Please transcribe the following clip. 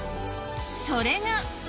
それが。